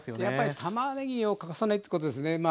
やっぱりたまねぎを欠かさないってことですね。